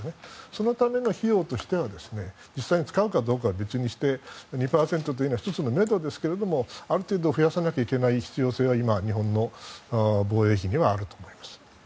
そのための費用としては実際に使うかどうかは別として２％というのは１つのめどですがある程度増やさなきゃいけない必要性は今、日本の防衛費にはあると思います。